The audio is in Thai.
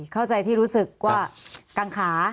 เข้าใจที่รู้สึกว่ากังขา